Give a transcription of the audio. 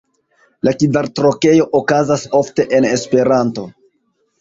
La kvartrokeo okazas ofte en Esperanto.